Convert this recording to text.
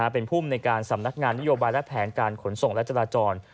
เป็นภูมิในการสำนักงานนโยบายและแผนการขนส่งและจราจร